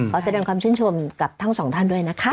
ขอแสดงความชื่นชมกับทั้งสองท่านด้วยนะคะ